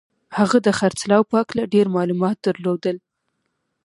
هغه د خرڅلاو په هکله ډېر معلومات درلودل